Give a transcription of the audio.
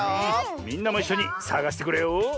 みんなもいっしょにさがしてくれよ！